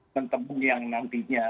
mentemunya yang nantinya